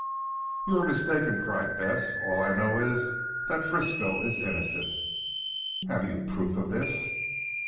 "You are mistaken," cried Bess. "All I know is that Frisco is innocent." "Have you proof of this?"